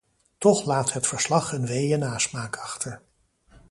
Toch laat het verslag een weeë nasmaak achter.